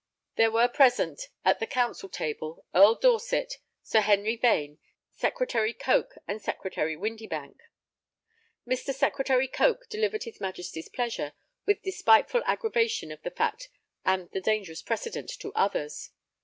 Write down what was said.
There were present at [the] council table, Earl Dorset, Sir Henry Vane, Secretary Coke and Secretary Windebank. Mr. Secretary Coke delivered his Majesty's pleasure, with despiteful aggravation of the fact and the dangerous precedent to others.